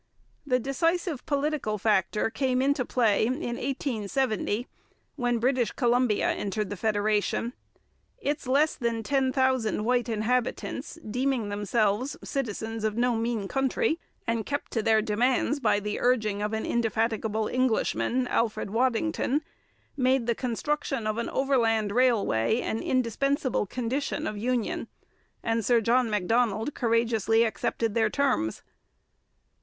The decisive political factor came into play in 1870, when British Columbia entered the federation. Its less than ten thousand white inhabitants deeming themselves citizens of no mean country, and kept to their demands by the urging of an indefatigable Englishman, Alfred Waddington made the construction of an overland railway an indispensable condition of union, and Sir John Macdonald courageously accepted their terms.